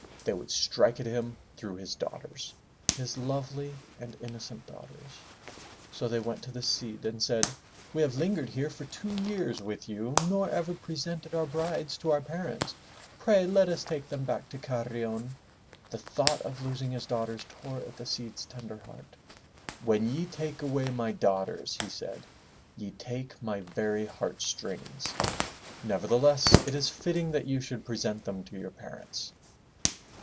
They would strike at him through his daughters, his lovely and innocent daughters. So they went to the Cid and said: *' We have lingered 322 FROM THE TOWER WINDOW here for two years with you nor ever presented our brides to our parents. Pray let us take them back to Carrion/' The thought of losing his daughters tore at the Cid's tender heart. "When ye take away my daughters/' he said, ''y^ take my very heart strings. Nevertheless it is fitting that you should present them to your parents.'